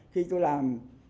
khi tôi làm